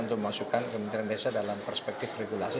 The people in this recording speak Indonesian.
untuk memasukkan kementerian desa dalam perspektif regulasi